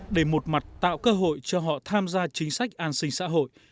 để một mặt tạo cơ hội cho họ tham gia chính sách an sinh xã hội